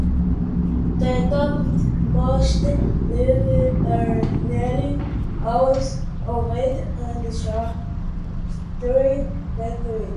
The topmost leaves are nearly always ovate and shortly petiolate.